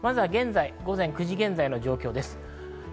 午前９時現在の状況です。